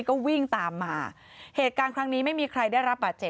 ก็วิ่งตามมา